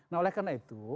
nah oleh karena itu